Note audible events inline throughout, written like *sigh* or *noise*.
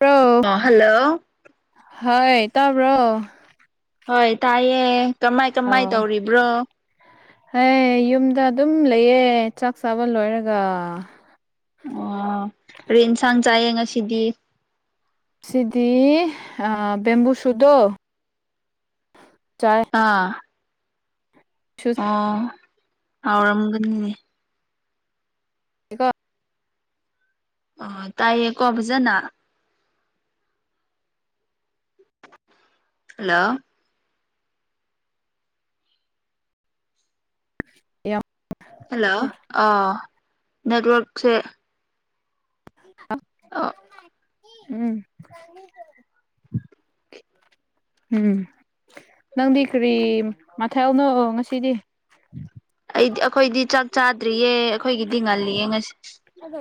ꯔꯣ ꯑꯣ ꯍꯜꯂꯣ ꯍꯣꯏ ꯇꯥꯕ꯭ꯔꯣ ꯍꯣꯏ ꯇꯥꯏꯌꯦ ꯀꯃꯥꯏ ꯀꯃꯥꯏ ꯇꯧꯔꯤꯕ꯭ꯔꯣ ꯍ ꯌꯨꯝꯗ ꯑꯗꯨꯝ ꯂꯩꯌꯦ ꯆꯥꯛ ꯆꯥꯕ ꯂꯣꯏꯔꯒ ꯑꯣ ꯑꯗꯨ ꯏꯟꯁꯥꯡ ꯆꯥꯛꯌꯦ ꯉꯁꯤꯗꯤ ꯁꯤꯗꯤ ꯕꯦꯝꯕꯨ ꯁꯨꯗꯣ ꯑꯥ ꯑꯣ ꯍꯥꯎꯔꯝꯒꯅꯤꯗꯤ ꯏꯀꯣ ꯑ ꯇꯥꯏꯌꯦꯀꯣ ꯐꯖꯅ ꯍꯜꯂꯣ ꯌꯥ ꯍꯦꯜꯂꯣ ꯑ ꯅꯦꯠꯋꯔꯛꯁꯦ ꯑꯣ ꯎꯝ ꯎꯝ ꯅꯪꯗꯤ ꯀꯔꯤ ꯃꯊꯜꯅꯣ ꯉꯁꯤꯗꯤ ꯑꯩꯗꯤ ꯑꯩꯈꯣꯏꯗꯤ ꯆꯥꯛ ꯆꯥꯗ꯭ꯔꯤꯌꯦ ꯑꯩꯈꯣꯏꯒꯤꯗꯤ ꯉꯜꯂꯤꯌꯦ ꯉꯁꯤ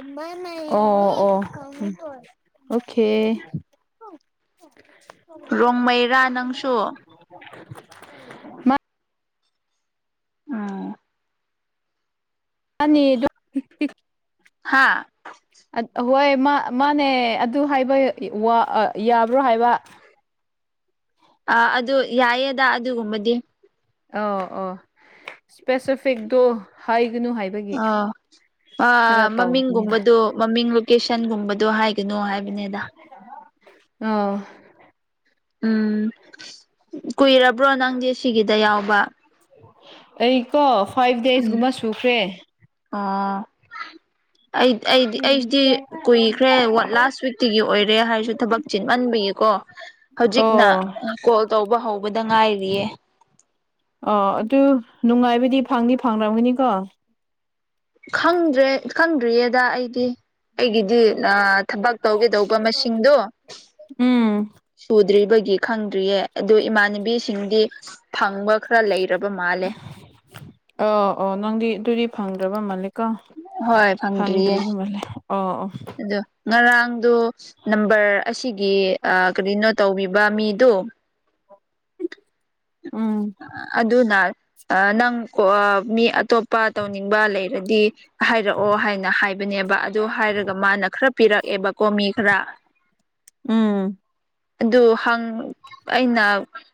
ꯑꯣ ꯑꯣ ꯎ ꯑꯣꯀꯦ ꯔꯣꯡꯃꯩꯔꯥ ꯑꯣ ꯅꯪꯁꯨ ꯎ ꯑ ꯑꯅꯤ ꯑꯗꯨ ꯍꯥꯥ ꯍꯣꯏ ꯃꯥ ꯃꯥꯅꯦ ꯑꯗꯨ ꯍꯥꯏꯕ ꯌꯥꯕ꯭ꯔꯣ ꯍꯥꯏꯕ ꯑ ꯑꯗꯨ ꯌꯥꯏꯌꯦꯗ ꯑꯗꯨꯒꯨꯝꯕꯗꯤ ꯑ ꯑ ꯏꯁꯄꯦꯁꯤꯐꯤꯛꯗꯣ ꯍꯥꯏ ꯈꯔ ꯑꯣ ꯇꯧꯕꯅꯤꯗ ꯃꯃꯤꯡꯒꯨꯝꯕꯗꯣ ꯃꯃꯤꯡ ꯂꯣꯀꯦꯁꯟꯒꯨꯝꯕꯗ ꯑꯗꯨꯣ ꯍꯥꯏꯒꯅꯨ ꯍꯥꯏꯕꯅꯦꯗ ꯑꯣ ꯎꯝ ꯀꯨꯏꯔꯕ꯭ꯔꯣ ꯅꯪꯗꯤ ꯁꯤꯒꯤꯗ ꯌꯥꯎꯕ ꯑꯩ ꯀꯣ ꯐꯥꯏꯚ ꯗꯦꯁꯀꯨꯝꯕ ꯁꯨꯈ꯭ꯔꯦ ꯑꯥ ꯑꯩ ꯑꯩꯗꯤ ꯑꯩꯁꯤꯗꯤ ꯀꯨꯏꯈ꯭ꯔꯦ ꯂꯥꯁ ꯋꯤꯛꯇꯒꯤ ꯑꯣꯏꯔꯦ ꯍꯥꯏꯔꯁꯨ ꯊꯕꯛ ꯆꯤꯟꯃꯟꯕꯤ ꯀꯣ ꯍꯧꯖꯤꯛꯅ ꯑꯣ ꯀꯣꯜ ꯇꯧꯕ ꯍꯧꯕꯗ ꯉꯥꯏꯔꯤꯌꯦ ꯑꯣ ꯑꯗꯨ ꯅꯨꯡꯉꯥꯏꯕꯗꯤ ꯐꯪꯗꯤ ꯐꯪꯅꯔꯝꯒꯅꯤꯀꯣ ꯈꯪꯗ꯭ꯔꯦ ꯈꯪꯗ꯭ꯔꯤꯌꯦꯗ ꯑꯩꯗꯤ ꯑꯩꯒꯤꯗꯤ ꯊꯕꯛ ꯇꯧꯒꯦꯗꯧꯕ ꯃꯁꯤꯡꯗꯣ ꯎꯝ ꯁꯨꯗ꯭ꯔꯤꯕꯒꯤ ꯈꯪꯗ꯭ꯔꯤꯌꯦ ꯑꯗꯨ ꯏꯃꯥꯟꯅꯕꯤꯁꯤꯡꯗꯤ ꯐꯪꯕ ꯈꯔ ꯂꯩ ꯑ ꯑꯣ ꯅꯪꯗꯤ ꯑꯗꯨꯗꯤ ꯐꯪꯗ꯭ꯔꯕ ꯃꯥꯜꯂꯤ ꯀ ꯍꯣꯏ ꯐꯪꯗ꯭ꯔꯤꯌꯦ ꯐꯪꯗ꯭ꯔꯤꯕꯔꯤꯕ ꯃꯥꯂꯦ ꯑꯣ ꯑꯣ ꯅꯪꯗ ꯅꯝꯕꯔ ꯑꯁꯤꯒꯤ ꯀꯔꯤꯅꯣ ꯇꯧꯕꯤꯕ ꯃꯤꯗꯨꯣ ꯎꯝ ꯑꯗꯨꯅ ꯅꯪ ꯃꯤ ꯑꯇꯣꯞꯄ ꯇꯧꯅꯤꯡꯉ ꯂꯩꯗꯤ ꯍꯥꯏꯔꯛꯑꯣ ꯍꯥꯏꯅ ꯍꯥꯏꯕꯅꯦꯕ ꯑꯗꯨ ꯍꯥꯏꯔꯒ ꯃꯥꯅ ꯈꯔ ꯄꯤꯔꯛꯑꯦꯕ ꯃꯈꯗ ꯎꯝ ꯑꯗꯨ ꯍꯪ ꯑꯩꯅ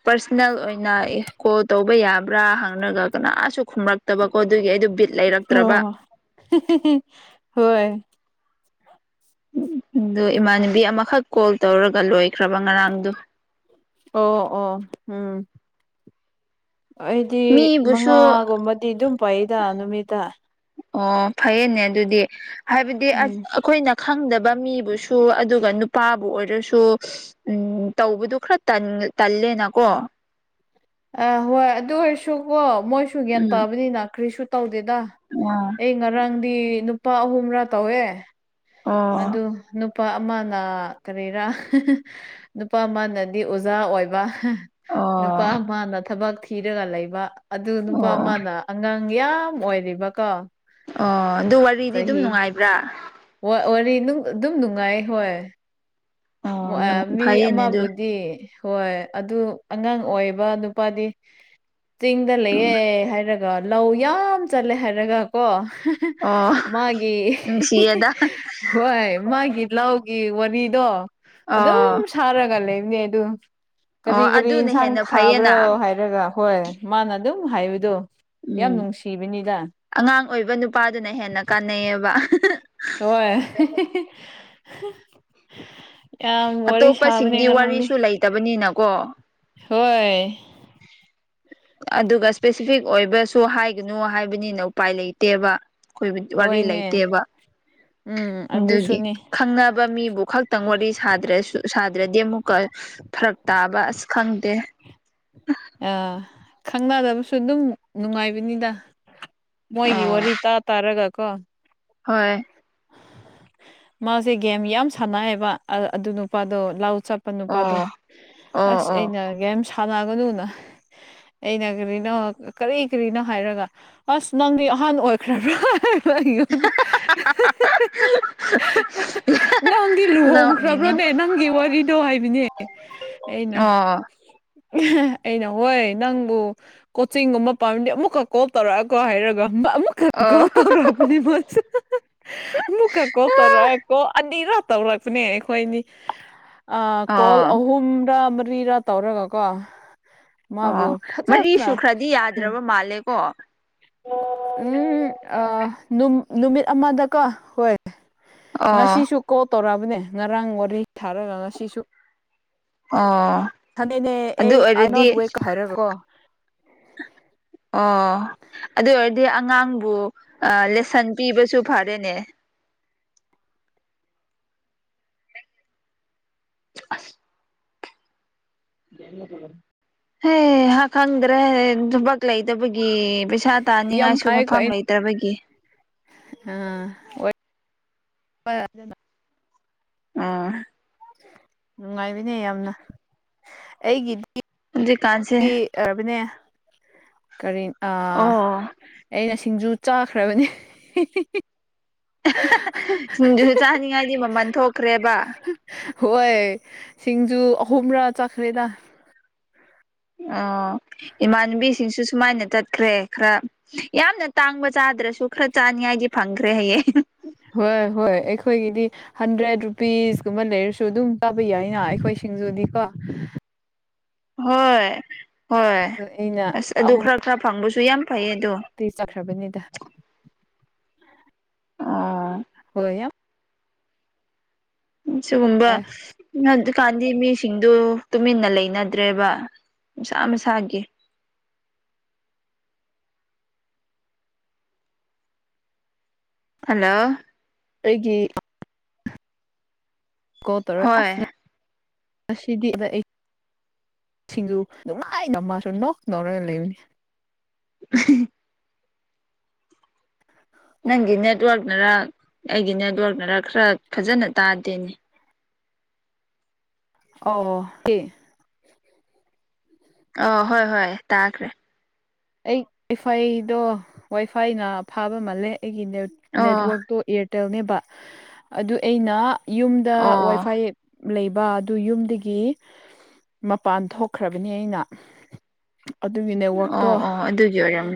ꯄꯥꯔꯁꯅꯦꯜ ꯑꯣꯏꯅ ꯀꯣꯜ ꯇꯧꯕ ꯌꯥꯕ ꯕ꯭ꯔꯥ ꯍꯪꯅꯒ ꯀꯅꯥꯁꯨ ꯈꯨꯝꯂꯛꯇꯕꯀꯣ ꯑꯗꯨꯒꯤ ꯑꯩ ꯑꯣ ꯍꯣꯏ ꯎ ꯑꯗꯨ ꯏꯃꯥꯟꯅꯕꯤ ꯑꯃꯈꯛ ꯀꯣꯜ ꯇꯧꯔꯒ ꯂꯣꯏꯦ ꯑꯣ ꯑꯣ ꯎꯝ ꯑꯩꯗꯤ ꯃꯤꯕꯨꯁꯨ ꯃꯉꯥꯒꯨꯝꯕꯗꯤ ꯑꯗꯨꯝ ꯄꯥꯏꯗ ꯅꯨꯃꯤꯠꯇ ꯑꯣ ꯐꯩꯅꯦ ꯑꯗꯨꯗꯤ ꯍꯥꯏꯕꯗꯤ ꯎꯝ ꯑꯩꯈꯣꯏꯅ ꯈꯪꯗꯕ ꯃꯤꯕꯨꯁꯨ ꯑꯗꯨ ꯑꯗꯨꯒ ꯅꯨꯄꯥꯕꯨ ꯑꯣꯏꯔꯁꯨ ꯎꯝ ꯇꯧꯕꯗ ꯈꯔ ꯇꯜꯂꯦꯅꯀꯣ ꯑ ꯍꯣꯏ ꯑꯗꯨ ꯑꯣꯏꯔꯁꯨꯀꯣ ꯃꯣꯏꯁꯨ ꯒ꯭ꯌꯥꯟ ꯎꯝ ꯇꯥꯕꯅꯤꯅ ꯈ꯭ꯔꯤꯁꯨ ꯑꯗꯨꯦꯗ ꯑꯣ ꯑꯩ ꯉꯔꯥꯡꯗꯤ ꯅꯨꯄꯥ ꯑꯍꯨꯝꯔꯥ ꯇꯧꯋꯦ ꯑ ꯑꯣ ꯑꯗꯨ ꯅꯨꯄꯥ ꯑꯃꯅ ꯀꯔꯤꯔꯥ ꯅꯨꯄꯥ ꯑꯃꯅꯗꯤ ꯑꯣꯖꯥ ꯑꯣꯏꯕ ꯅꯨꯄꯥ ꯑꯣ ꯑꯃꯅ ꯊꯕꯛ ꯊꯤꯔꯒ ꯂꯩꯕ ꯑꯗꯨ ꯅꯨꯄꯥ ꯑꯣ ꯑꯃꯅ ꯑꯉꯥꯡ ꯌꯥꯝ ꯑꯣꯏꯔꯤꯕꯀꯣ ꯑꯣ ꯑꯗꯨ ꯋꯥꯔꯤꯗꯤ ꯑꯗꯨꯝ ꯆꯍꯤ ꯅꯨꯡꯉꯥꯏꯕ꯭ꯔꯥ ꯋꯥꯔꯤ ꯑꯗꯨꯝ ꯅꯨꯡꯉꯥꯏ ꯍꯣꯏ ꯑꯣ ꯅꯨꯡ ꯃꯤ ꯐꯩꯌꯦꯅꯦ ꯑꯗꯨ ꯑꯃꯕꯨꯗꯤ ꯍꯣꯏ ꯑꯗꯨ ꯑꯉꯥꯡ ꯑꯣꯏꯕ ꯅꯨꯄꯥꯗꯤ ꯆꯤꯡꯗ ꯂꯩꯌꯦꯦ ꯍꯥꯏꯔꯒ ꯂꯧ ꯌꯥꯝ ꯆꯠꯂꯦ ꯍꯥꯏꯔꯒ ꯀꯣ ꯑꯣ ꯃꯥꯒꯤ ꯅꯨꯡꯁꯤꯌꯦꯗ ꯍꯣꯏ ꯃꯥꯒꯤ ꯂꯥꯎ ꯒꯤ ꯋꯥꯔꯤꯗꯣ ꯑꯗꯨꯝ ꯑꯣ ꯁꯥꯔꯒ ꯂꯩꯕꯅꯦ ꯑꯗꯨ ꯀꯔꯤ ꯑꯣ ꯀꯔꯤ ꯑꯗꯨꯅ ꯌꯦꯟꯁꯥꯡ ꯍꯦꯟꯅ ꯊꯥꯕ꯭ꯔꯣ ꯐꯩꯌꯦꯅ ꯍꯥꯏꯔꯒ ꯍꯣꯏ ꯃꯥꯅ ꯑꯗꯨꯝ ꯍꯥꯏꯕꯗꯣ ꯌꯥꯝ ꯎꯝ ꯅꯨꯡꯁꯤꯕꯅꯤꯗ ꯑꯉꯥꯡ ꯑꯣꯏꯕ ꯅꯨꯄꯥꯗꯨꯅ ꯍꯦꯟꯅ ꯀꯥꯟꯅꯩꯌꯦꯕ ꯍꯣꯏ ꯌꯥꯝ ꯋꯥꯔꯤ ꯁꯥꯕꯅꯦ ꯑꯇꯣꯞꯄꯁꯤꯡꯗꯤ ꯉꯔꯥꯡꯗꯤ ꯋꯥꯔꯤꯁꯨ ꯂꯩꯇꯕꯅꯤꯅꯀꯣ ꯍꯣꯏ ꯑꯗꯨꯒ ꯏꯁꯄꯦꯁꯤꯐꯤꯛ ꯑꯣꯏꯕꯁꯨ ꯍꯥꯏꯒꯅꯨ ꯍꯥꯏꯕꯅꯤꯅ ꯎꯄꯥꯏ ꯂꯩꯇꯦꯕ ꯑꯩꯈꯣꯏ ꯋꯥꯔꯤ ꯍꯣꯏꯅꯦ ꯂꯩꯇꯦꯕ ꯎꯝ ꯑꯗꯨꯒꯤ ꯑꯗꯨꯁꯨꯅꯦ ꯈꯪꯅꯕ ꯃꯤꯕꯨ ꯈꯛꯇꯪ ꯋꯥꯔꯤ ꯁꯥꯗ꯭ꯔꯁꯨ ꯁꯥꯗ꯭ꯔꯗꯤ ꯑꯃꯨꯛꯀ ꯐꯔꯛ ꯇꯥꯕ ꯑꯁ ꯈꯪꯗꯦ ꯑꯥ ꯈꯪꯅꯗꯕꯁꯨ ꯑꯗꯨꯝ ꯅꯨꯡꯉꯥꯏꯕꯅꯤꯗ ꯃꯣꯏꯒꯤ ꯋꯥꯔꯤ ꯇꯥ ꯇꯥꯔꯒ ꯀꯣ ꯍꯣꯏ ꯃꯥꯁꯦ ꯒꯦꯝ ꯌꯥꯝ ꯁꯥꯟꯅꯩꯑꯕ ꯑꯗꯨ ꯅꯨꯄꯥꯗꯣ ꯂꯥꯎ ꯆꯠꯄ ꯅꯨꯄꯥꯗꯣ ꯑꯣ ꯑꯣ ꯑꯁ ꯑꯣ ꯑꯩꯅ ꯁꯥꯟꯅꯒꯅꯨꯅ ꯑꯩꯅ ꯀꯔꯤꯅꯣ ꯀꯔꯤ ꯀꯔꯤꯅꯣ ꯍꯥꯏꯔꯒ ꯑꯁ ꯅꯪꯗꯤ ꯑꯍꯥꯟ ꯑꯣꯏꯈ꯭ꯔꯕ꯭ꯔꯥ ꯑꯩꯣꯅ *inaudible* ꯅꯪꯗꯤ ꯅꯣꯛꯅꯤꯡꯉꯦ ꯂꯨꯍꯣꯡꯈ꯭ꯔꯕ꯭ꯔꯣꯅꯦ ꯅꯪꯒꯤ ꯋꯥꯔꯤꯗꯣ ꯍꯥꯏꯕꯅꯦ ꯑꯩꯅ ꯑ ꯑꯩꯅ ꯍꯣꯏ ꯅꯪꯕꯨ ꯀꯣꯆꯤꯡꯒꯨꯝꯕ ꯄꯥꯝꯃꯤꯅꯦ ꯑꯃꯨꯛꯈꯛ ꯀꯣꯜ ꯇꯧꯔꯛꯑꯒꯣ ꯍꯥꯏꯔꯒ ꯑꯃꯨꯛꯀ ꯀꯧ ꯑꯣ ꯇꯧꯔꯕꯅꯤ ꯃ ꯑꯃꯨꯀ ꯀꯧ ꯇꯧꯔ ꯀꯧꯕ ꯅꯤꯔ ꯇꯧꯔꯛꯄꯅꯦ ꯑꯩꯈꯣꯏꯅꯤ ꯀꯣꯜ ꯑꯣ ꯑꯍꯨꯝ ꯇꯔꯤꯔꯥ ꯇꯧꯔꯒ ꯀꯣ ꯑꯣ ꯃꯔꯤ ꯁꯨ ꯈ꯭ꯔꯗꯤ ꯌꯥꯗ꯭ꯔꯕ ꯃꯥꯜꯂꯦꯀꯣ ꯎꯝ ꯅꯨꯃꯤꯠ ꯑꯃꯗꯀꯣ ꯍꯣꯏ ꯉꯁꯤꯁꯨ ꯀꯣꯜ ꯇꯧꯔꯛꯑꯕꯅꯦ ꯉꯔꯥꯡ ꯋꯥꯔꯤ ꯁꯥꯥꯔꯒ ꯉꯁꯤꯁꯨ ꯑꯣ ꯊꯗꯤꯅꯦ ꯑꯗꯨ ꯑꯩ ꯑ ꯑꯣꯏꯔꯗꯤ ꯅꯣꯠ ꯋ ꯍꯥꯏꯔꯣ ꯑꯣ ꯑꯗꯨꯗ ꯑꯗꯤ ꯑꯉꯥꯡꯕꯨ ꯂꯦꯁꯟ ꯄꯤꯕꯁꯨ ꯐꯔꯦꯅꯦ ꯑꯁ ꯍ ꯍꯥ ꯈꯪꯗ꯭ꯔꯦ ꯊꯕꯛ ꯂꯩꯗꯕꯒꯤꯩꯁ ꯏꯁꯥ ꯌꯥꯝ ꯇꯥꯅꯤꯡꯉꯥꯏꯁꯨ ꯐꯩꯀꯣ ꯃꯐꯝ ꯑꯩ ꯂꯩꯇ꯭ꯔꯕꯒꯤ ꯍꯗ ꯑꯥ ꯅꯨꯡꯉꯥꯏꯕꯅꯦ ꯌꯥꯝꯅ ꯑꯩꯒꯤꯗꯤ ꯍꯧꯖꯤꯛꯀꯥꯟꯁꯦ ꯔꯕꯅꯦ ꯀꯔꯤ ꯑꯣ ꯑꯩꯅ ꯁꯤꯡꯖꯨ ꯆꯥꯈ꯭ꯔꯕꯅꯦ ꯁꯤꯡꯗꯨꯁꯨ ꯆꯥꯅꯤꯡꯉꯥꯏꯗꯤ ꯃꯃꯜ ꯊꯣꯛꯈ꯭ꯔꯦꯕ ꯍꯣꯏ ꯁꯤꯡꯖꯨ ꯑꯍꯨꯝꯔꯥ ꯆꯠꯈ꯭ꯔꯦꯗ ꯑꯣ ꯏꯃꯥꯟꯅꯨꯕꯤꯁꯤꯡꯁꯨ ꯁꯨꯃꯥꯏꯅ ꯇꯠꯈ꯭ꯔꯦ ꯈꯔ ꯌꯥꯝꯅ ꯇꯥꯡꯕ ꯆꯥ ꯌꯥꯗ꯭ꯔꯁꯨ ꯈꯔ ꯆꯥꯅꯤ ꯍꯥꯏꯗꯤ ꯐꯪꯈ꯭ꯔꯦ ꯍꯌꯦꯡ ꯍꯣꯏ ꯍꯣꯏ ꯑꯩꯈꯣꯏꯒꯤꯗꯤ ꯍꯟꯗ꯭ꯔꯦꯠ ꯔꯨꯄꯤꯁꯀꯨꯝꯕ ꯂꯩꯔꯁꯨ ꯑꯗꯨꯝ ꯀꯥꯕ ꯌꯥꯏꯅ ꯑꯩꯈꯣꯏ ꯁꯤꯡꯖꯨꯗꯤꯀꯣ ꯍꯣꯏ ꯍꯣꯏ ꯑꯗꯣ ꯑꯩꯅ ꯑꯁ ꯑꯗꯨ ꯈꯔ ꯈꯔ ꯐꯪꯕꯁꯨ ꯌꯥꯝ ꯐꯩꯌꯦ ꯑꯗꯣ ꯇꯇꯩ ꯆꯀ꯭ꯔꯕꯨꯗ ꯑꯣ ꯍ ꯌꯥꯝ ꯁꯤꯒꯨꯝꯕ ꯍꯧꯖꯤꯀꯥꯟꯗꯤ ꯃꯤꯁꯤꯡꯗꯨ ꯇꯨꯃꯤꯟꯅ ꯂꯩꯅꯗ꯭ꯔꯦꯕ ꯃꯁꯥ ꯃꯁꯥꯒꯤ *unintelligible* *inaudible* ꯍꯜꯂꯣ ꯑꯩꯒꯤ ꯀꯣ ꯇꯔ ꯍꯣꯏ ꯑꯁꯅꯗꯤꯗ ꯁꯤꯡꯖꯨ ꯅꯨꯡꯃꯥꯏ ꯅꯃꯁꯨ ꯅꯣꯛ ꯅꯧꯔꯒ ꯂꯩꯕꯅꯤ *unintelligible* *inaudible* ꯅꯪꯒꯤ ꯅꯦꯠꯋꯥꯔꯛꯅꯔ ꯑꯩꯒꯤ ꯅꯦꯠꯋꯥꯔꯛꯅꯔ ꯈꯔ ꯐꯖꯅ ꯇꯥꯗꯦꯅꯦ ꯑꯣ ꯀ ꯑ ꯍꯣꯏ ꯍꯣꯏ ꯇꯥꯈ꯭ꯔꯦ ꯑꯩ ꯋꯥꯏꯐꯥꯏꯗꯣ ꯋꯥꯏꯐꯥꯏꯅ ꯐꯥꯕ ꯃꯥꯜꯂꯦ ꯑꯩꯒꯤ ꯅꯠ ꯑꯣ ꯅꯦꯠꯋꯔꯛꯇꯣ ꯏꯌꯥꯔꯇꯦꯜꯅꯦꯕ ꯑꯗꯨ ꯑꯩꯅ ꯌꯨꯝꯗ ꯑꯣ ꯋꯥꯏꯐꯥꯏ ꯂꯩꯕ ꯑꯗꯨ ꯌꯨꯝꯗꯒꯤ ꯃꯄꯥꯟ ꯊꯣꯛꯈ꯭ꯔꯕꯅꯤ ꯑꯩꯅ ꯑꯗꯨꯒꯤ ꯅꯦꯠꯋꯥꯛꯛ ꯑꯣ ꯑꯣ ꯑꯗꯨꯒꯤ ꯑꯣꯏꯔꯝ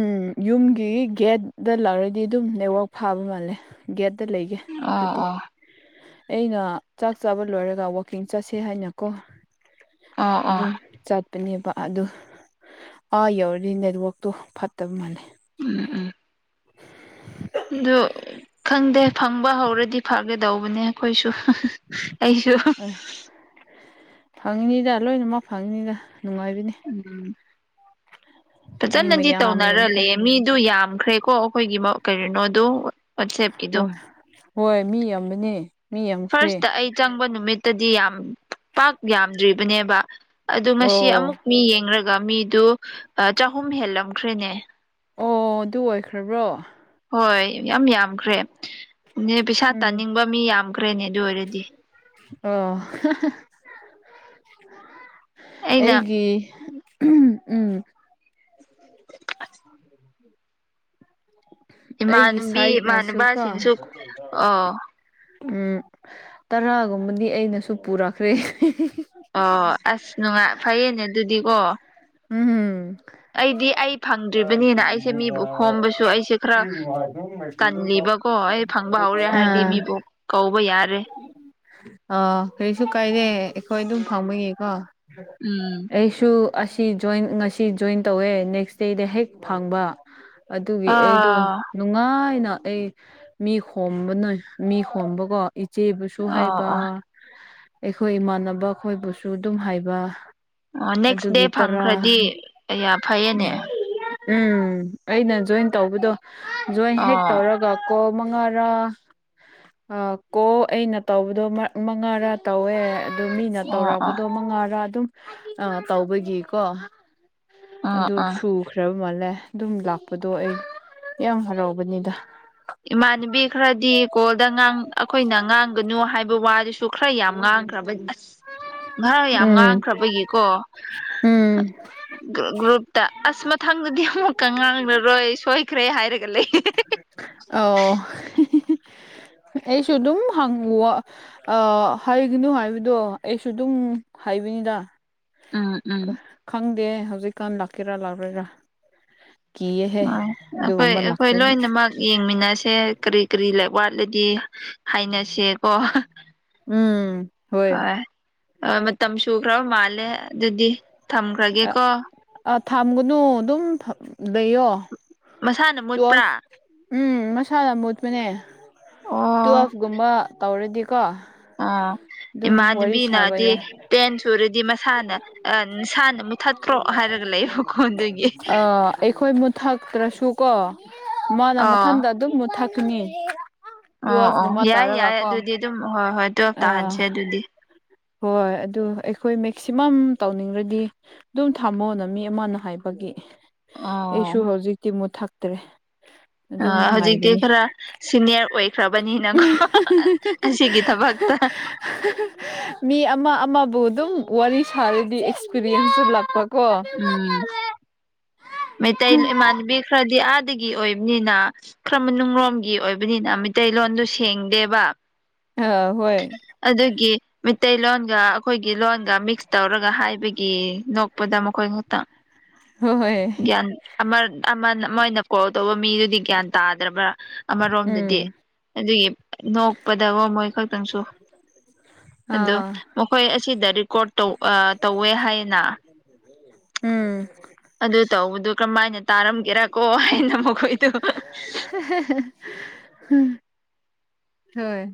ꯎꯝ ꯌꯨꯝꯒꯤ ꯒꯦꯠꯗ ꯂꯥꯛꯔꯗꯤ ꯑꯗꯨꯝ ꯅꯦꯠꯋꯥꯛ ꯐꯥꯕ ꯃꯥꯜꯂꯦ ꯒꯦꯠ ꯂꯩꯒꯦ ꯑꯣ ꯑꯗꯨꯗꯤ ꯑꯣ ꯑꯩꯅ ꯆꯥꯛ ꯆꯥꯕ ꯂꯣꯏꯔꯒ ꯋꯥꯛꯀꯤꯡ ꯆꯠꯁꯦ ꯍꯥꯏꯅꯀꯣ ꯑꯣ ꯑꯣ ꯑꯗꯨꯝ ꯆꯠꯄꯅꯦꯕ ꯑꯗꯨ ꯑꯥ ꯌꯧꯔꯗꯤ ꯅꯦꯠꯋꯥꯛꯛꯇꯣ ꯐꯠꯇꯕ ꯃꯥꯜꯂꯦ ꯎꯝ ꯎꯝ *unintelligible* *inaudible* ꯑ ꯈꯪꯗꯦ ꯐꯪꯕ ꯍꯧꯔꯗꯤ ꯐꯒꯗꯧꯕꯅꯦ ꯑꯩꯈꯣꯏꯁꯨ ꯑꯩꯁꯨꯣ ꯐꯪꯉꯤꯅꯤꯗ ꯂꯣꯏꯅꯃꯛ ꯐꯪꯉꯤꯅꯤꯗ ꯅꯨꯡꯉꯥꯏꯕꯅꯤ ꯎꯝ ꯃꯤ ꯐꯖꯅꯗꯤ ꯃꯌꯥꯝ ꯌꯥꯝꯇ ꯇꯧꯅꯔꯂ ꯃꯤꯗꯨ ꯌꯥꯝꯈ꯭ꯔꯦꯀꯣ ꯑꯩꯈꯣꯏꯒꯤ ꯀꯔꯤꯅꯣꯗ ꯋꯥꯠꯁꯑꯞ ꯀꯤꯗꯣ ꯍꯣꯏ ꯍꯣꯏ ꯃꯤ ꯑꯃꯅꯦ ꯐꯥꯔꯁꯇ ꯑꯩ ꯆꯪꯕ ꯅꯨꯃꯤꯠꯇꯗꯤ ꯌꯥꯝ ꯄꯥꯛ ꯌꯥꯝꯗ꯭ꯔꯤꯕꯅꯦꯕ ꯑꯗꯨ ꯉꯁꯤ ꯑꯣ ꯑꯃꯨꯛ ꯃꯤ ꯌꯦꯡꯂꯡꯒ ꯃꯤꯗꯨ ꯆꯍꯨꯝ ꯍꯦꯜꯂꯝꯈ꯭ꯔꯦꯅꯦ ꯑꯣ ꯑꯗꯨ ꯑꯣꯏꯈ꯭ꯔꯕ꯭ꯔꯣ ꯍꯣꯏ ꯌꯥꯝ ꯌꯥꯝꯈ꯭ꯔꯦ ꯅ ꯄꯩꯁꯥ ꯎꯝ ꯇꯥꯅꯤꯡꯕ ꯃꯤ ꯌꯥꯝꯈ꯭ꯔꯦꯅꯦ ꯑꯗꯨ ꯑꯣꯏꯔꯗꯤ ꯑꯣ ꯑꯩꯅ ꯑꯩꯒꯤ ꯎꯝ ꯑꯩꯒꯤ ꯏꯃꯥꯟꯅꯕꯤ ꯁꯥꯏꯠꯅꯁꯨ ꯀꯣ ꯏꯃꯥꯟꯅꯕꯁꯤꯡꯁꯨ ꯑꯣ ꯇꯔꯥꯒꯨꯝꯕꯗꯤ ꯑꯩꯅꯁꯨ ꯄꯨꯔꯛꯈ꯭ꯔꯦ ꯋꯥ ꯎꯝꯝ ꯑꯩꯗꯤ ꯑꯩ ꯐꯪꯗ꯭ꯔꯤꯕꯅꯤꯅ ꯑꯩꯁꯦ ꯃꯤꯕꯨ ꯈꯣꯝꯕꯁꯨ ꯑꯩꯁꯦ ꯈꯔ ꯇꯜꯂꯤꯕ ꯕꯀꯣ ꯑꯩ ꯐꯪꯕ ꯍꯧꯔꯦ ꯍꯥꯏꯔꯗꯤ ꯃꯤꯕꯨ ꯀꯧꯕ ꯌꯥꯔꯦ ꯑꯥ ꯀꯔꯤꯁꯨ ꯀꯥꯏꯗꯦ ꯑꯩꯈꯣꯏ ꯑꯗꯨꯝ ꯐꯪꯕꯅꯤꯀꯣ ꯎꯝ ꯑꯩꯁꯨ ꯁꯤ ꯖꯣꯏꯟ ꯉꯁꯤ ꯖꯣꯏꯟ ꯇꯧꯋꯦ ꯅꯦꯛꯁ ꯗꯦꯗ ꯍꯦꯛ ꯐꯪꯕ ꯑꯗꯨꯒꯤ ꯑꯩꯗꯣ ꯑꯥ ꯅꯨꯡꯉꯥꯏꯅ ꯑꯩ ꯃꯤ ꯈꯣꯝꯕ ꯅꯣꯏ ꯃꯤ ꯈꯣꯝꯕꯀꯣ ꯏꯆꯦꯕꯨꯁꯨ ꯑꯣ ꯍꯥꯏꯕ ꯑꯣ ꯑꯩꯈꯣꯏ ꯏꯃꯥꯟꯅꯕ ꯑꯩꯈꯣꯏꯕꯨꯁꯨ ꯑꯗꯨꯝ ꯍꯥꯏꯕ ꯑꯣ ꯅꯦꯛꯁ ꯗꯦ ꯑꯗꯨꯒꯤ ꯇꯔꯥ ꯐꯪꯈ꯭ꯔꯗꯤꯌꯥ ꯎꯝ ꯐꯩꯌꯦꯅꯦ ꯎꯝ ꯑꯩꯅ ꯖꯣꯏꯟ ꯇꯧꯕꯗꯣ ꯖꯣꯏꯟ ꯍꯦꯛ ꯑꯣ ꯇꯧꯔꯒ ꯀꯣꯛ ꯃꯉꯥꯔꯥ ꯀꯣ ꯑꯩꯅ ꯇꯧꯕꯗꯣ ꯃꯉꯥꯔꯥ ꯇꯧꯋꯦ ꯑꯗꯨ ꯃꯤꯅ ꯑꯣ ꯑꯣ ꯇꯧꯔꯛꯄꯗꯣ ꯃꯉꯥꯔꯥ ꯑꯗꯨꯝ ꯇꯧꯕꯒꯤꯀꯣ ꯑꯣ ꯑꯗꯨ ꯑꯣ ꯁꯨꯈ꯭ꯔꯕ ꯃꯥꯜꯂꯦ ꯑꯗꯨꯝ ꯂꯥꯛꯄꯗꯣ ꯑꯩ ꯌꯥꯝ ꯍꯔꯥꯎꯕꯅꯤꯗ ꯏꯃꯥꯟꯅꯕꯤ ꯈꯔꯗꯤ ꯀꯣꯜꯗꯥꯡ ꯑꯩꯈꯣꯏꯅ ꯉꯥꯡꯒꯅꯨ ꯍꯥꯏꯕ ꯋꯥꯗꯨꯁꯨ ꯈꯔ ꯌꯥꯝ ꯉꯥꯡꯈ꯭ꯔꯕꯅꯤ ꯉꯍꯔ ꯌꯥꯝ ꯎꯝ ꯉꯥꯡꯈ꯭ꯔꯕꯒꯤꯀꯣ ꯎꯝ ꯒ꯭ꯔꯨꯞꯨꯞ ꯑꯁ ꯃꯊꯪꯗꯗꯤ ꯑꯃꯨꯛꯀ ꯉꯥꯡꯅꯔꯣꯏ ꯁꯣꯏꯈ꯭ꯔꯦ ꯍꯥꯏꯔꯒ ꯂꯩ ꯑꯣ ꯑꯩꯁꯨ ꯑꯗꯨꯝ ꯍꯪꯉ ꯑ ꯍꯥꯏꯩꯒꯅꯨ ꯍꯥꯏꯕꯗꯣ ꯑꯩꯁꯨ ꯑꯗꯨꯝ ꯍꯥꯏꯕꯤꯅꯤꯗ ꯎꯝ ꯎꯝ ꯈꯪꯗꯦ ꯍꯧꯖꯤꯛꯀꯥꯟ ꯂꯥꯛꯀꯦꯔꯥ ꯂꯥꯛꯔꯣꯏꯔ ꯍꯣꯏ ꯑꯩꯈꯣꯏ ꯑꯩꯈꯣꯏ ꯂꯣꯏꯅꯃꯛ ꯌꯦꯡꯃꯤꯟꯅꯁꯦ ꯀꯔꯤ ꯀꯔꯤ ꯂꯩ ꯋꯥꯠꯂꯗꯤ ꯍꯥꯏꯅꯁꯦꯀꯣ ꯎꯝ ꯍꯣꯏ ꯃꯇꯝ ꯁꯨꯈ꯭ꯔꯕ ꯃꯥꯜꯂꯦ ꯑꯗꯨꯗꯤ ꯊꯝꯈ꯭ꯔꯒꯦ ꯀꯣ ꯊꯝꯒꯅꯨ ꯑꯗꯨꯝ ꯂꯩꯌꯣ ꯃꯁꯥꯅ ꯃꯨꯠꯄ꯭ꯔꯥ ꯇꯨꯋꯦꯜꯐ ꯎꯝ ꯃꯁꯥꯗ ꯃꯣꯠꯄꯅꯦ ꯑꯣ ꯇꯨꯋꯦꯜꯐꯒꯨꯝꯕ ꯇꯧꯔꯗꯤꯀꯣ ꯑꯣ ꯑꯗꯨꯝ ꯋꯥꯔꯤ ꯁꯥꯕ ꯏꯃꯥꯟꯅꯕꯤꯅꯗꯤ ꯌꯥꯏ ꯇꯦꯟ ꯁꯨꯔꯗꯤ ꯃꯁꯥꯅ ꯑꯁꯥꯅ ꯑꯥ ꯑꯩꯈꯣꯏ ꯃꯨꯠꯊꯛꯇ꯭ꯔꯁꯨ ꯀꯣ ꯃꯥꯅ ꯑꯣ ꯃꯊꯟꯗ ꯑꯗꯨꯝ ꯃꯨꯠꯊꯛꯀꯅꯤ ꯑꯣ ꯑꯣ ꯇꯨꯋꯦꯜꯐꯀꯨꯝꯕ ꯌꯥꯏ ꯇꯥꯔꯒ ꯌꯥꯏ ꯀꯣ ꯑꯗꯨꯗꯤ ꯑꯗꯨꯝ ꯍꯣꯏ ꯍꯣꯏ ꯇꯨꯌꯦꯞ ꯑꯥ ꯇꯥꯍꯟꯁꯦ ꯑꯗꯨꯗꯤ ꯍꯣꯏ ꯑꯗꯨ ꯑꯩꯈꯣꯏ ꯃꯦꯛꯁꯤꯃꯝ ꯇꯧꯅꯤꯡꯔꯗꯤ ꯑꯗꯨꯝ ꯊꯝꯃꯣꯑꯣꯅ ꯃꯤ ꯑꯃꯅ ꯍꯥꯏꯕꯒꯤ ꯑꯩꯁꯨ ꯍꯧꯖꯤꯛꯇꯤ ꯃꯨꯠ ꯊꯛꯇ꯭ꯔꯦ *inaudible* ꯑ ꯍꯧꯖꯤꯛꯇꯤ ꯈꯔ ꯁꯤꯅꯤꯌꯔ ꯑꯣꯏꯈ꯭ꯔꯕꯅꯤꯅꯀꯣ ꯑꯁꯤꯒꯤ ꯊꯕꯛꯇ ꯃꯤ ꯑꯃ ꯑꯃꯕꯨ ꯑꯗꯨꯝ ꯋꯥꯔꯤ ꯁꯥꯔꯗꯤ ꯑꯦꯛꯁꯄꯤꯔꯤꯌꯦꯟꯁꯁꯨ ꯂꯥꯛꯄ ꯎꯝ ꯃ ꯇ ꯏꯃꯅꯕꯤ ꯈꯔꯗꯤ ꯑꯗ ꯗꯒꯤ ꯑꯣꯏꯕꯅꯤꯅ ꯈꯔ ꯃꯅꯨꯡꯂꯣꯝꯒꯤ ꯑꯣꯏꯕꯅꯤꯅ ꯃꯩꯇꯩꯂꯣꯟꯗꯨ ꯁꯦꯡꯗꯦꯕ ꯑ ꯍꯣꯏ ꯃꯩꯂꯣꯟꯒ ꯑꯩꯈꯣꯏꯒꯤ ꯂꯣꯟꯒ ꯃꯤꯛꯁ ꯇꯧꯔꯒ ꯍꯥꯏꯕꯒꯤ ꯅꯣꯛꯄꯗ ꯃꯈꯣꯏ ꯉꯇꯪ ꯍꯣꯏ ꯒ꯭ꯌꯥꯟ ꯑꯃꯅ ꯃꯣꯏꯅ ꯀꯣꯜ ꯇꯧꯕ ꯃꯤꯗꯨꯗꯤ ꯒ꯭ꯌꯥꯟ ꯇꯥꯗ꯭ꯔꯕ꯭ꯔꯥ ꯑꯃꯔꯣꯝꯗꯗꯤ ꯎꯝ ꯑꯗꯨꯒꯤ ꯅꯣꯛꯄꯗꯒ ꯃꯣꯏ ꯈꯛꯇꯪꯁꯨ ꯑ ꯑꯥ ꯃꯈꯣꯏ ꯑꯁꯤꯗ ꯔꯦꯀꯣꯔꯠꯧ ꯇꯧꯋꯦ ꯍꯥꯏꯌꯦꯅ ꯎꯝ ꯑꯗꯨ ꯇꯧ ꯀꯃꯥꯏꯅ ꯇꯥꯔꯝ ꯀꯦꯔ ꯀꯣ ꯅ ꯃ ꯀꯣꯏ ꯇ ꯍꯣꯏ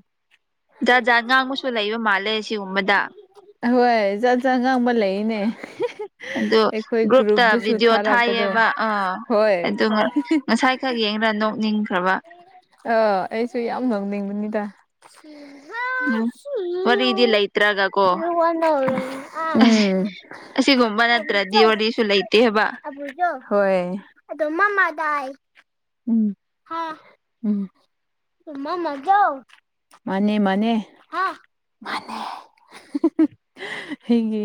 ꯖꯥꯠ ꯖꯥꯠ ꯉꯥꯡꯕꯁꯨ ꯂꯩꯕ ꯃꯥꯜꯂꯦ ꯁꯤꯒꯨꯝꯕꯗ ꯍꯣꯏ ꯆꯖꯠ ꯆ ꯑ ꯉꯥꯡꯕ ꯂꯩꯅꯦ ꯑꯗꯨ ꯑꯩꯈꯣꯏ ꯒ꯭ꯔꯨꯞꯇ ꯒ꯭ꯔꯨꯞꯇꯁꯨ ꯚꯗꯤꯑꯣ ꯊꯥꯔꯛꯄꯗꯣ ꯊꯥꯏꯑꯕ ꯑꯥ ꯍꯣꯏ ꯑꯗꯨ ꯉꯁꯥꯏ ꯈꯪꯒꯤ ꯅꯣꯛꯅꯤꯡꯈ꯭ꯔꯕ ꯑꯥ ꯑꯩꯁꯨ ꯌꯥꯝ ꯉꯧꯅꯤꯡꯕꯅꯤꯗ ꯎꯝ ꯋꯥꯔꯤꯗꯤ ꯂꯩꯇ꯭ꯔꯒ ꯀꯣ ꯑꯁꯤꯒꯨꯝꯕ ꯅꯠꯇ꯭ꯔꯗꯤ ꯋꯥꯔꯤꯁꯨ ꯂꯩꯇꯦꯕ ꯍꯣꯏ ꯑꯗꯨ ꯃꯃꯥꯗꯥꯥꯏ ꯍꯥ *unintelligible* ꯍꯦꯡꯒꯤ